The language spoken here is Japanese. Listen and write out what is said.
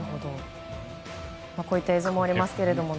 こういった映像もありますね。